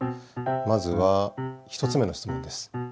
まずは１つ目の質問です。